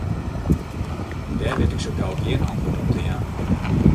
Dêr wit ik sa gau gjin antwurd op te jaan.